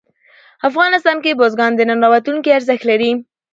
افغانستان کې بزګان د نن او راتلونکي ارزښت لري.